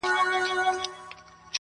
مرگ حق دئ گور او کفن په شک کي دئ.